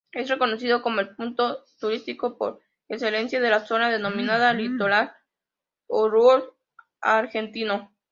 Es reconocido como el punto turístico por excelencia de la zona denominada "litoral uruguayo-argentino".